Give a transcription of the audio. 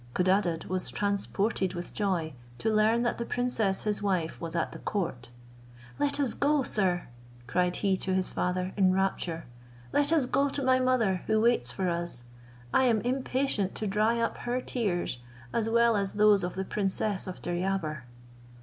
Codadad was transported with joy, to learn that the princess his wife was at the court. "Let us go, sir," cried he to his father in rapture, "let us go to my mother, who waits for us. I am impatient to dry up her tears, as well as those of the princess of Deryabar."